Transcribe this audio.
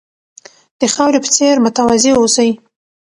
د خاورې په څېر متواضع اوسئ.